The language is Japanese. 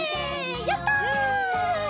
やった！